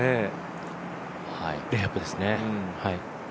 レイアップですね。